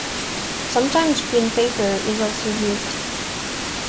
Sometimes green paper is also used.